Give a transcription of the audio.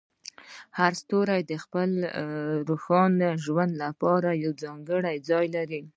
هر ستوری د خپل روښانه ژوند لپاره یو ځانګړی ځای لري.